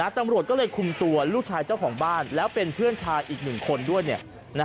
ตำรวจก็เลยคุมตัวลูกชายเจ้าของบ้านแล้วเป็นเพื่อนชายอีก๑คนด้วย